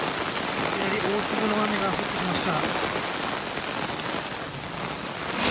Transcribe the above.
大粒の雨が降ってきました。